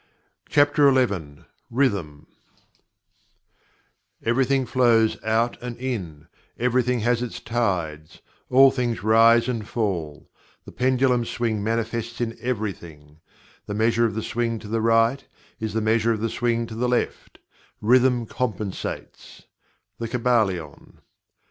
CHAPTER XI RHYTHM "Everything flows out and in; everything has its tides; all things rise and fall; the pendulum swing manifests in everything; the measure of the swing to the right, is the measure of the swing to the left; rhythm compensates" The Kybalion.